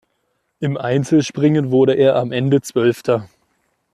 Im Einzelspringen wurde er am Ende Zwölfter.